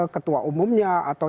ketua umumnya atau